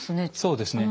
そうですね